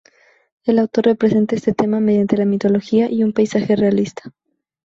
El autor representa este tema mediante la mitología y un paisaje realista.